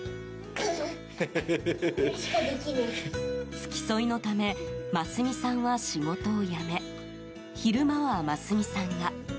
付き添いのため麻純さんは仕事を辞め昼間は麻純さんが。